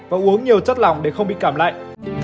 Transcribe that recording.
và uống nhiều chất lỏng để không bị cảm lạnh